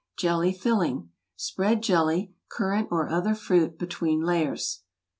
Jelly Filling Spread jelly—cur¬ rant or other fruit —between layers.